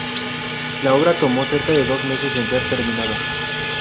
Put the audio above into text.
La obra tomó cerca de dos meses en ser terminada.